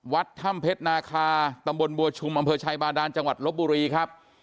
วัดถ้ำเพชรนาคาตำบลบัวชุมอำเภอชัยบาดานจังหวัดลบบุรีครับ